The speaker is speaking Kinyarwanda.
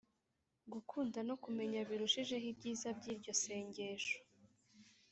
gukunda no kumenya birushijeho ibyiza by’iryo sengesho